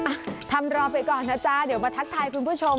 อ่ะทำรอไปก่อนนะจ๊ะเดี๋ยวมาทักทายคุณผู้ชม